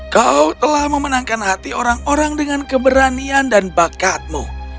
kau telah memenangkan hati orang orang dengan keberanian dan bakatmu